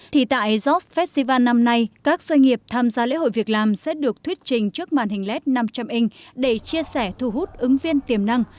thì tại job festival năm nay các doanh nghiệp tham gia lễ hội việc làm sẽ được thuyết trình trước màn hình led năm trăm linh inch để chia sẻ thu hút ứng viên tiềm năng